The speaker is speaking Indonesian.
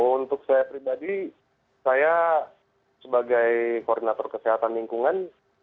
untuk saya pribadi saya sebagai koordinator kesehatan lingkungan